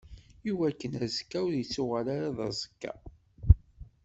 Iwakken azekka ur ittuɣal ara d aẓekka.